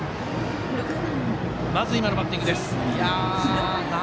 まず今のバッティングです。